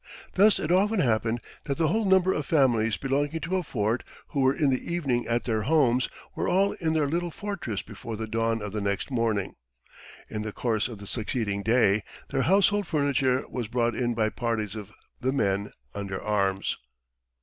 Thus it often happened that the whole number of families belonging to a fort, who were in the evening at their homes, were all in their little fortress before the dawn of the next morning. In the course of the succeeding day their household furniture was brought in by parties of the men under arms."